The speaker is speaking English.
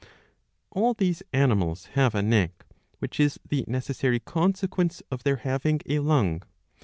All these animals have a neck, which is the necessary con sequence of their having a lung.